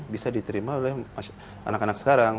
bisa diterima oleh anak anak sekarang